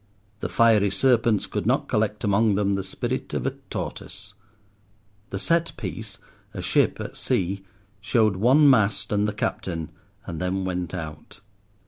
The fiery serpents could not collect among them the spirit of a tortoise. The set piece, a ship at sea, showed one mast and the captain, and then went out.